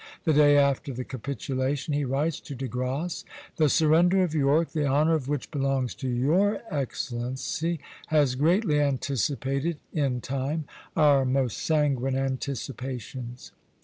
The day after the capitulation he writes to De Grasse: "The surrender of York ... the honor of which belongs to your Excellency, has greatly anticipated [in time] our most sanguine anticipations."